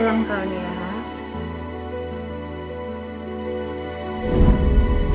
ulang tahun ya